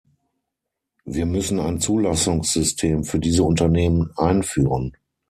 Wir müssen ein Zulassungssystem für diese Unternehmen einführen.